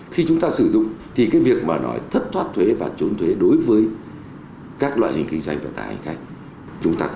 khi chúng ta sử dụng thì cái việc mà nói thất thoát thuế và trốn thuế đối với các loại hình kinh doanh vận tải hành khách